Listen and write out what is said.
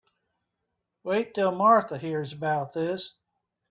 Wait till Martha hears about this.